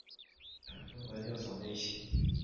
可分為六種類型